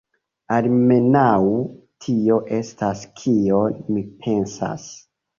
Almenaŭ, tio estas kion mi pensas.